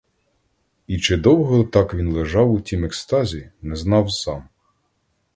І чи довго так він лежав у тім екстазі — не знав сам.